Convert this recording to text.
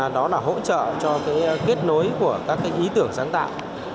đó là hỗ trợ cho kết nối của các ý tưởng sáng tạo